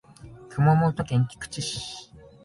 熊本県菊池市